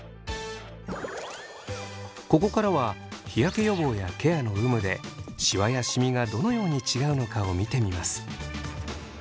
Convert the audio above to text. ここからは日焼け予防やケアの有無でシワやシミがどのように違うのかを見てみます。